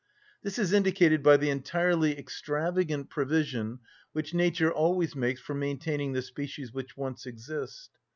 This is indicated by the entirely extravagant provision which nature always makes for maintaining the species which once exist.